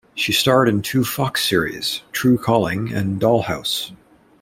She starred in two Fox series, "Tru Calling" and "Dollhouse".